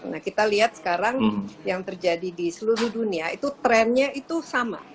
nah kita lihat sekarang yang terjadi di seluruh dunia itu trennya itu sama